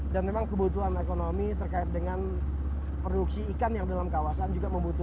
dan memang kebutuhan ekonomi terkait dengan produksi ikan yang dalam kawasan juga sudah mudah